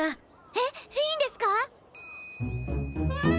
えっいいんですか？